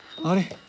あれ？